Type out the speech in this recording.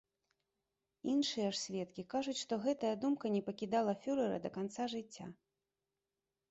Іншыя ж сведкі кажуць, што гэтая думка не пакідала фюрэра да канца жыцця.